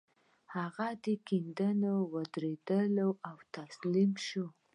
هغه کيندنې ودرولې او تسليم شو.